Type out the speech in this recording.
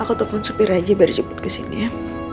aku telfon supir aja biar cepat kesini ya